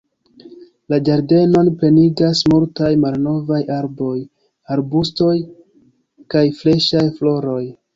La ĝardenon plenigas multaj malnovaj arboj, arbustoj kaj freŝaj floroj.